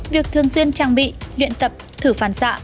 việc thường xuyên trang bị luyện tập thử phản xạ